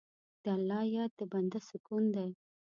د الله یاد د بنده سکون دی.